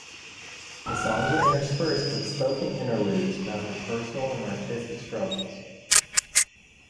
The songs were interspersed with spoken interludes about her personal and artistic struggles.